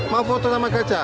mau foto sama gajah